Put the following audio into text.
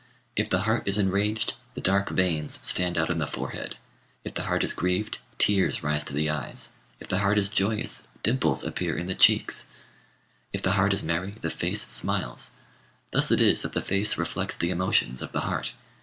If the heart is enraged, the dark veins stand out on the forehead; if the heart is grieved, tears rise to the eyes; if the heart is joyous, dimples appear in the cheeks; if the heart is merry, the face smiles: thus it is that the face reflects the emotions of the heart.